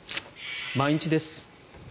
毎日です。